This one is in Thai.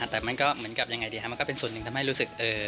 แต่มันก็เหมือนกับยังไงดีครับมันก็เป็นส่วนหนึ่งทำให้รู้สึก